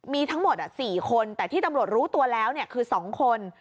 มีทั้งหมด๔คนแต่ที่ตำรวจรู้ตัวแล้วคือ๒คน